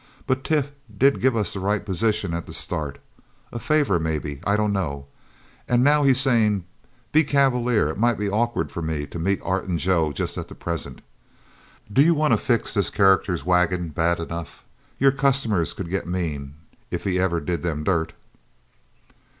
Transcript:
But Tif did give us the right position at the start. A favor, maybe. I don't know. And now he's saying, 'Be cavalier it might be awkward for me to meet Art and Joe just at present.' Do you want to fix this character's wagon bad enough? Your customers could get mean if he ever did them dirt."